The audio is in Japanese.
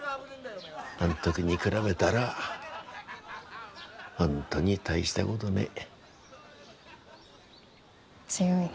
あん時に比べたら本当に大したことねえ。強いね。